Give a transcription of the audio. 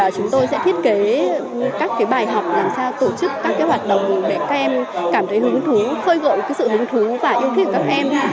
chúng tôi sẽ thiết kế các bài học làm sao tổ chức các hoạt động để các em cảm thấy hứng thú khơi gợi sự hứng thú và yêu thích của các em